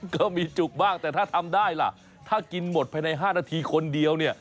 ก็มีจุกบ้างแต่ถ้าทำได้ล่ะถ้ากินหมดภายใน๕นาทีคนเดียวเนี่ย